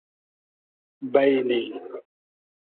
بݷنی